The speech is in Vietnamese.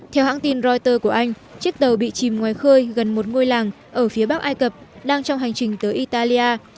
theo hãng tin reuters của anh chiếc tàu bị chìm ngoài khơi gần một ngôi làng ở phía bắc ai cập đang trong hành trình tới italia